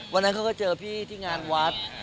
วันนั้นเขาก็เจอพี่ที่งานวัด